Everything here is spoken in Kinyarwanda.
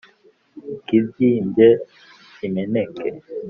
Ikibyimbye kimeneke